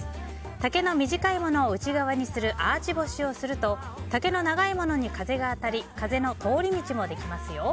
丈の短いものを内側にするアーチ干しをすると丈の長いものに風が当たり風の通り道もできますよ。